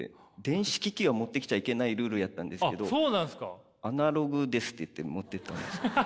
電子機器は持ってきちゃいけないルールやったんですけど「アナログです！」って言って持ってったんです。